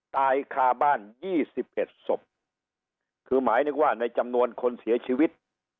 ตายคาบ้าน๒๑ศพคือหมายนึกว่าในจำนวนคนเสียชีวิต